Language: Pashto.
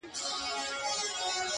اشنـا په دې چــلو دي وپوهـېدم؛